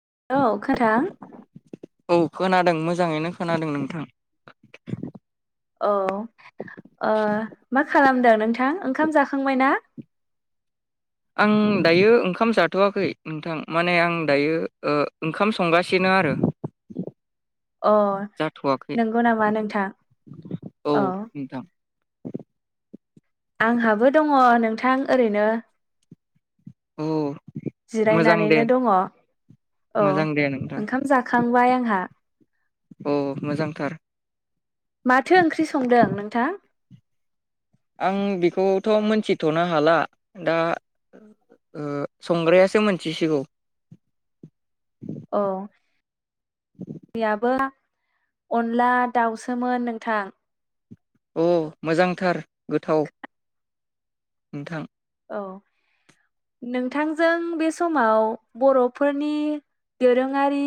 [inaudible] औ खोनादों मोजाङैनो खोनादों नोंथां। औ। अ मा खालामदों नोंथ थां ओंखाम जाखांबायनाा? आं दायो ओंखाम जाथवाखै नोंथां माने आं दायो ओंखाम संगासिनो आरो। अ जाथ'वाखै नंगौ नामा नोंथां औ अ। नोंथां आंहाबो दङ नोंथां ओरैनो। औ। मोजां दे जिरायनानैनो दङ औ मोजां दे नोंथां ओंखाम जाखांबाय आंहा। अ मोजांथार। माथो ओंख्रि संदों नोंथां? आं बेखौथ मोनथिथनो हाला दा संग्रायासो मोनथिसिगौ। अ। बिया [unintelligible] अनला दाउसोमोन नोंथां। अ मोजांथार गोथाव। नोंथां। औ नोंथांजों बे समाव बरफोरनि दोरोङारि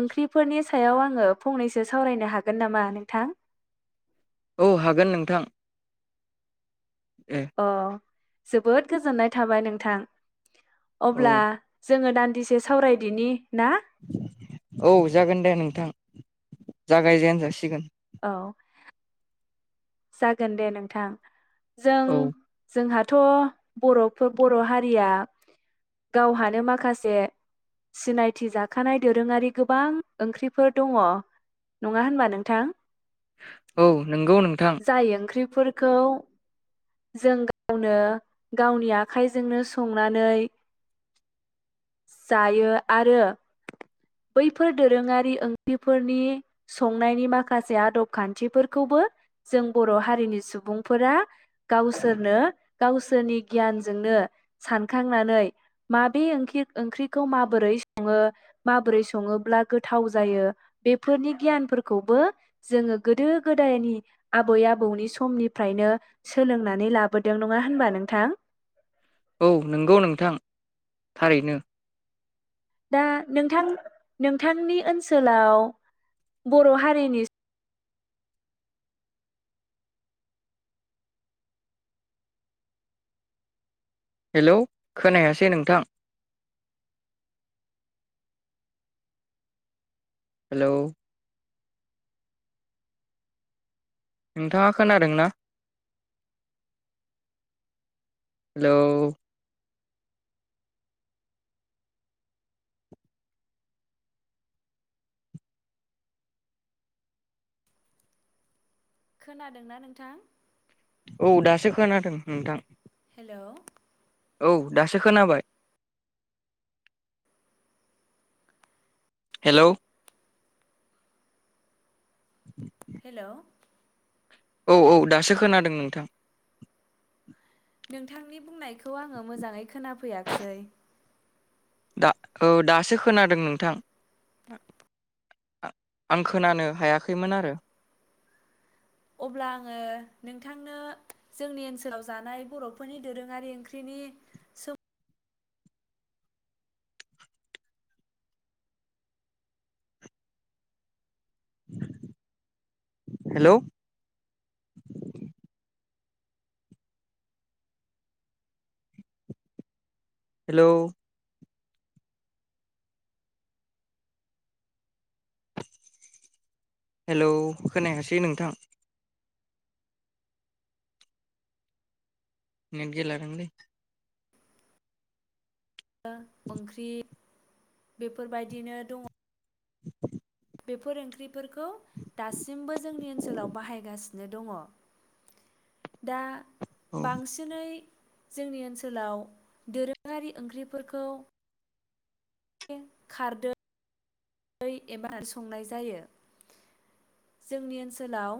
ओंख्रिफोरनि सायाव आङो फंनैसो सावरायनो हागोन नामा नोंथां? औ हागोन नोंथां। ए अ जोबोद गोजोननाय थाबाय नोंथां औ अब्ला जोङो दान्दिसे सावरायदिनि ना औ जागोन दे नोंथां जागायजेन जासिगोन औ जागोन दे नोंथां जों औ जोंहा- थ' बर'फो बर' हारिया गावहानो माखासे सिनायथि जाखानाय दोरोङारि गोबां ओंख्रिफोर दङ' नङा होनबा नोंथां? औ नंगौ नोंथां जाय ओंख्रिफोरखौ जों गावनो गावनि आखाइजोंनो संनानै जायो आरो बैफोर दोरोङारि ओंख्रिफोरनि संनायनि माखासे आदब खान्थिफोरखौबो जों बर' हारिनि सुबुंफोरा गावसोरनो गावसोरनि गियानजोंनो सानखांनानै माबे ओंखि- ओंख्रिखौ माबोरै सङो माबोरै सङोब्ला गोथाव जायो बेफोरनि गियानफोरखौबो जोङो गोदो गोदायनि आबै आबौनि समनिफ्रायनो सोलोंनानै लाबोदों नङा होनबा नोंथां? औ नंगौ नोंथां थारैनो दा नोंथां-नोंथांनि ओनसोलाव बर' हारिनि हेल खोनायासै नोंथां हेल नोंथाङा खोनादों ना? हेल खोनादोंना नोंथां? औ दासो खोनादों नोंथां हेल औ दासो खोनाबाय हेल हेल औ-औ दासो खोनादों नोंथां नोंथांनि बुंनायखौ आङो मोजाङै खोनाफैयाखैसै दा औ दासो खोनादों नोंथां आं खोनानो हायाखैमोन आरो अब्ला आङो नोंथांनो जोंनि ओनसोलाव जानाय बर'फोरनि दोरोङारि ओंख्रिनि सो- हेल हेल हेल खोनायाखासै नोंथां नेट गैलादां ले ओं-ओंख्रि बेफोरबायदिनो दङ [inaudible] बेफोर ओंख्रि- फोरखौ दासिमबो जोंनि ओनसोलाव बाहायगासि- नो दङ दा औ बांसिनै जोंनि ओनसोलाव दोरोङारि ओंख्रिफोरखौ खारदै- रै एबा संनाय जायो जोंनि ओनसोलाव